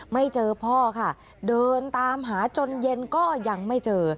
ไม่เจอพ่อค่ะเดินตามหาจนเย็นก็ยังไม่เจอ